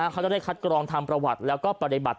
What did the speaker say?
เขาจะได้คัดกรองทางประวัติแล้วประโดยบัติ